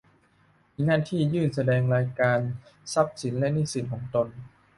มีหน้าที่ยื่นแสดงรายการทรัพย์สินและหนี้สินของตน